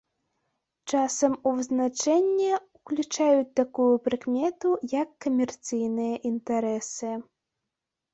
Часам у вызначэнне ўключаюць такую прыкмету, як камерцыйныя інтарэсы.